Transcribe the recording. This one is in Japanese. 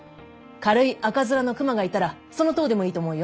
軽い赤面の熊がいたらその痘でもいいと思うよ。